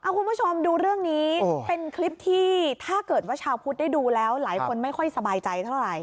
คุณผู้ชมดูเรื่องนี้เป็นคลิปที่ถ้าเกิดว่าชาวพุทธได้ดูแล้วหลายคนไม่ค่อยสบายใจเท่าไหร